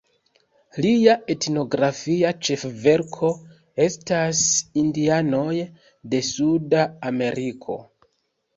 Lia etnografia ĉefverko estas Indianoj de Suda Ameriko.